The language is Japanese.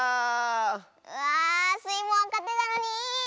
うわスイもわかってたのに！